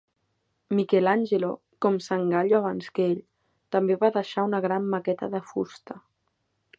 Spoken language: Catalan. Michelangelo, com Sangallo abans que ell, també va deixar una gran maqueta de fusta.